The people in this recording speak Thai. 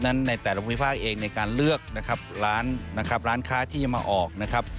ในแต่ละภูมิภาคเองในการเลือกร้านค้าที่จะมาออกนะครับ